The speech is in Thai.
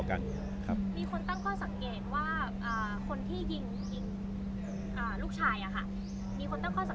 มีคนตั้งข้อสังเกตว่าคนที่ยิงลูกชายมีคนตั้งข้อสังเกตว่าเป็นคนที่ถนัดมือซ้าย